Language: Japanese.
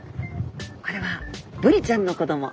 これはブリちゃんの子ども。